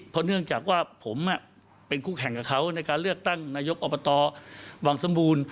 เพราะเนื่องจากว่าผมเป็นคู่แข่งกับเขาในการเลือกตั้งนายกอบตวังสมบูรณ์